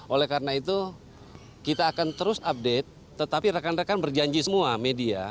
oleh karena itu kita akan terus update tetapi rekan rekan berjanji semua media